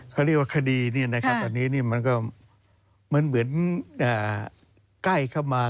เขาเรียกว่าคดีตอนนี้มันเหมือนใกล้เข้ามา